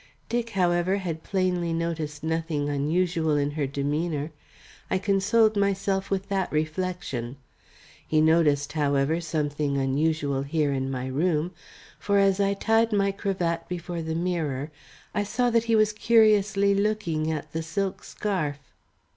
Dick, however, had plainly noticed nothing unusual in her demeanour; I consoled myself with that reflection. He noticed, however, something unusual here in my room, for as I tied my cravat before the mirror I saw that he was curiously looking at the silk scarf.